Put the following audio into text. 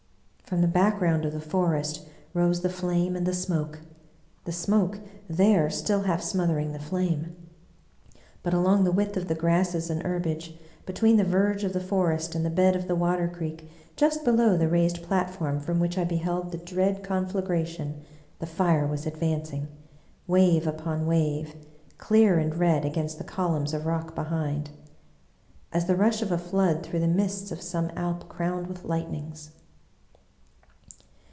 From the background of the forest rose the flame and the smoke — ^the smoke, there, still half smothering the flame. But along the width of the grasses and herbage, between the verge of the forest and the bed of the water creek just below the raised plat form from which I beheld the dread conflagration, the fire was advancing — ^wave upon wave, clear and red against the columns of rock behind ; as the rush of a flood through the , mists of some Alp crowned with lightnings.